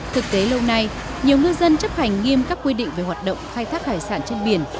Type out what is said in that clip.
thực tế lâu nay nhiều ngư dân chấp hành nghiêm các quy định về hoạt động khai thác hải sản trên biển